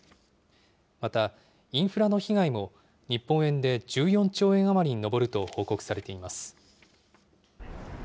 またインフラの被害も日本円で１４兆円余りに上ると報告されています。